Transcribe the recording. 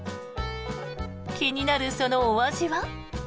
気になるそのお味は？